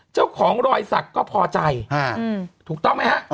เจ้าของรอยสักก็พอใจถูกต้องไหมฮะ